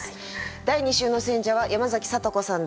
第２週の選者は山崎聡子さんです。